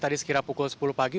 tadi sekira pukul sepuluh pagi